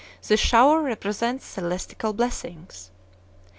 This shower represents celestial blessings.